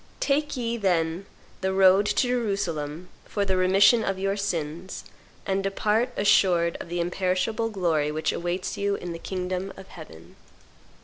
Take ye, then, the road to Jerusalem for the remission of your sins, and depart assured of the imperishable glory which awaits you in the kingdom of heaven."